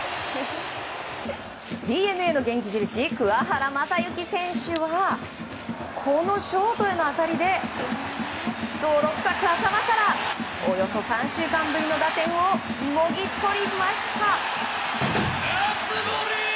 ＤｅＮＡの元気印桑原将志選手はこのショートへの当たりで泥臭く、頭からおよそ３週間ぶりの打点をもぎ取りました。